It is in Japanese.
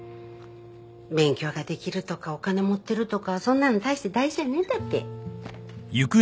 勉強ができるとかお金持ってるとかそんなの大して大事じゃねえんだって。